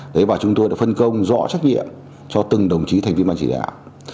đấy và chúng tôi đã phân công rõ trách nhiệm cho từng đồng chí thành viên ban chỉ đạo